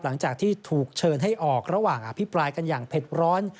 หลังจากที่ถูกเชิญให้ออกระหว่างอภิปรายกันอย่างเผ็ดร้อน